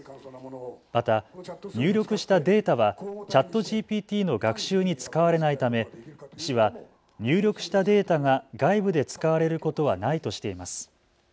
また入力したデータはＣｈａｔＧＰＴの学習に使われないため市は入力したデータが外部で使われることはないとしています。